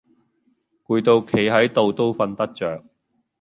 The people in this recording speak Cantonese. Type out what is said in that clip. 攰到企係到都訓得著